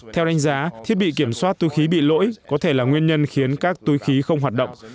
theo đánh giá thiết bị kiểm soát túi khí bị lỗi có thể là nguyên nhân khiến các túi khí không hoạt động